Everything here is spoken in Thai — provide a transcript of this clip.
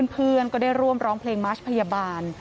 เพื่อนก็ได้ร่วมร้องเพลงมัชพยาบาล